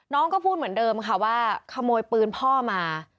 น้องก็พูดเหมือนเดิมที่เขาโดนพ่อมา